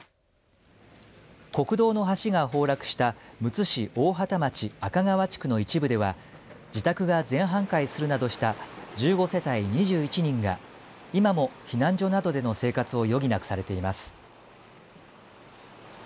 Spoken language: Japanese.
国道の橋が崩落したむつ市大畑町赤川地区の一部では自宅が全半壊するなどした１５世帯２１人が今も避難所などでの生活を余儀なくされています。